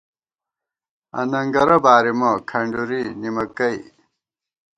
اننگَرَہ بارِمہ/ کھنڈُری (نِمَکَئ)